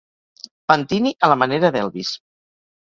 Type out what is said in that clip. Pentini a la manera d'Elvis.